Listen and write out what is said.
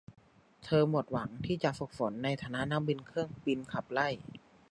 เธอหมดหวังที่จะฝึกฝนในฐานะนักบินเครื่องบินขับไล่